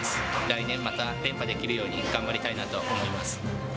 来年、また連覇できるように頑張りたいなと思います。